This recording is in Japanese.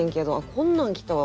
こんなん来たわ。